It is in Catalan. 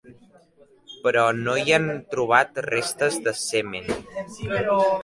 Però no hi han trobat restes de semen.